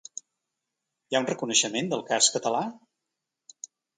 Hi ha un reconeixement del cas català?